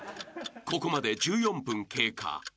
［ここまで１４分経過］